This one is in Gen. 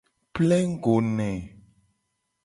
Plengugo ne.